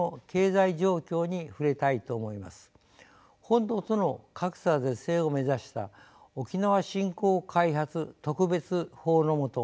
本土との格差是正を目指した沖縄振興開発特別法の下